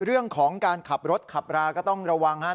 เรื่องของการขับรถขับราก็ต้องระวังครับ